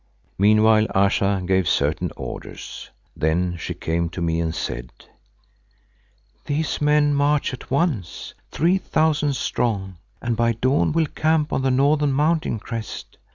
Meanwhile Ayesha gave certain orders. Then she came to me and said, "These men march at once, three thousand strong, and by dawn will camp on the northern mountain crest.